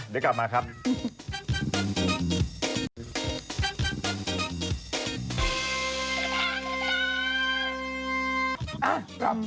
เดี๋ยวกลับมา